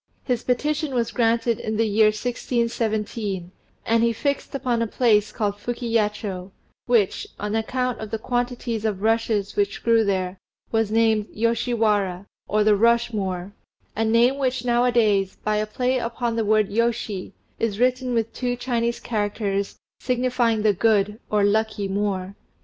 His petition was granted in the year 1617, and he fixed upon a place called Fukiyacho, which, on account of the quantities of rushes which grew there, was named Yoshi Wara, or the rush moor, a name which now a days, by a play upon the word yoshi, is written with two Chinese characters, signifying the "good," or "lucky moor."